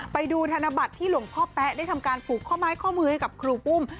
ธนบัตรที่หลวงพ่อแป๊ะได้ทำการผูกข้อไม้ข้อมือให้กับครูปุ้ม